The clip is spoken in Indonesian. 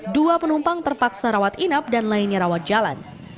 dua penumpang terpaksa rawat inap dan lainnya rawat jalan